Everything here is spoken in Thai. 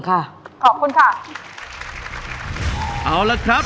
เข้าล่ะครับ